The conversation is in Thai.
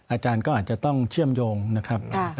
อาจารย์ก็อาจจะต้องเชื่อมโยงนะครับ